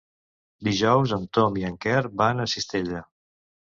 Dijous en Tom i en Quer van a Cistella.